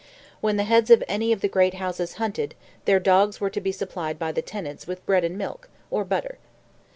When the heads of any of the great houses hunted, their dogs were to be supplied by the tenants "with bread and milk, or butter."